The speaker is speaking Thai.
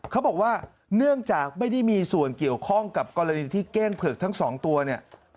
เขาบอกว่าเนื่องจากไม่ได้มีส่วนเกี่ยวข้องกับกรณีที่เก้งเผือกทั้งสองตัวเนี่ย